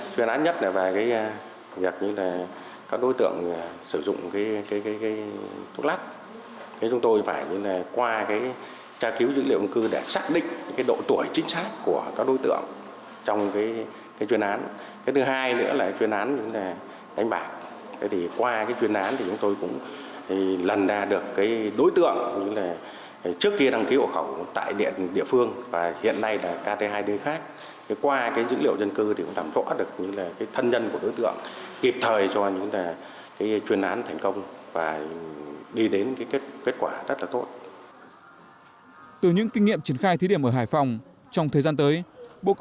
từ những kinh nghiệm triển khai thí điểm ở hải phòng trong thời gian tới bộ công an sẽ tiếp tục mở rộng triển khai dự án xây dựng hệ thống quản lý dân cư tại nhiều địa phương trên cả nước